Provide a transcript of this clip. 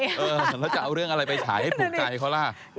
แล้วจะเอาเรื่องอะไรไปฉายให้ถูกใจเขาล่ะ